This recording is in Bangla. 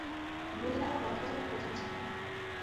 ভুঁড়ি নাবা বদহজমের প্রথম চিহ্ন।